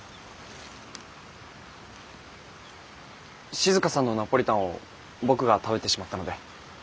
静さんのナポリタンを僕が食べてしまったので。